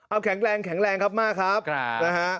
เอาแข็งแรงครับมากครับ